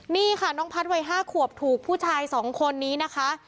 นี่ค่ะน้องพัฒน์วัย๕ขวบถูกผู้ชาย๒คนนี้นะคะ